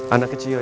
anak kecil ya